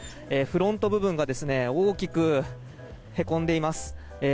フロント部分が大きくへこんでいます。